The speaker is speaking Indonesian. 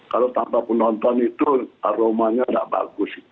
kalau tanpa penonton itu aromanya tidak bagus